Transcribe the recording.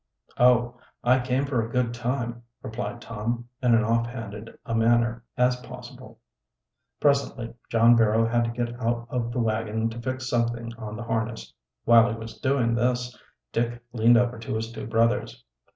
"Oh, I came for a good time," replied Tom, in an off handed a manner as possible. Presently John Barrow had to get out of the wagon to fix something on the harness. While he was doing this Dick leaned over to his two brothers.